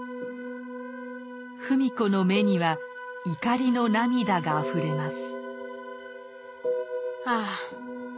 芙美子の目には怒りの涙があふれます。